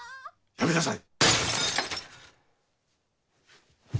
やめなさい。